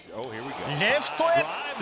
レフトへ。